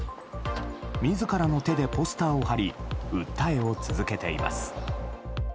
自らの手でポスターを貼り訴えを続けています。